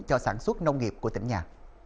cho sản xuất nông nghiệp của tỉnh nhà